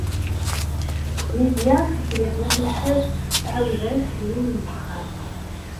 Lidya n Tifrit n At Lḥaǧ tɛawed-as i yiwen n wexxam.